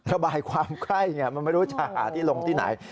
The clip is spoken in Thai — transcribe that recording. ระบายความใกล้มันไม่รู้จะหาที่ลงที่ไหน